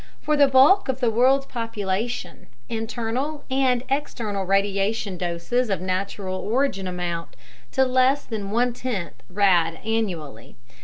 For the bulk of the world's population, internal and external radiation doses of natural origin amount to less than one tenth rad annually.